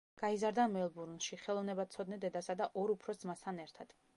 გაიზარდა მელბურნში ხელოვნებათმცოდნე დედასა და ორ უფროს ძმასთან ერთად.